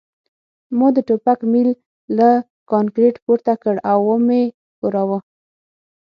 ما د ټوپک میل له کانکریټ پورته کړ او ومې ښوراوه